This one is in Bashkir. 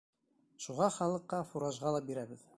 Шуға халыҡҡа фуражға ла бирәбеҙ.